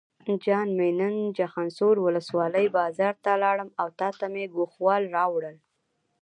جان مې نن چخانسور ولسوالۍ بازار ته لاړم او تاته مې ګوښال راوړل.